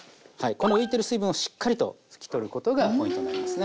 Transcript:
この浮いてる水分をしっかりと拭き取ることがポイントになりますね。